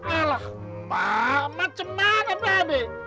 alah mak macam mana mba be